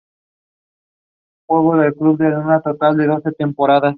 General Paz hasta las vías del ferrocarril, las cuales modernizaron a la ciudad.